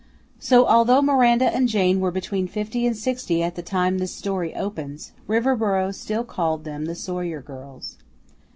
So although Miranda and Jane were between fifty and sixty at the time this story opens, Riverboro still called them the Sawyer girls.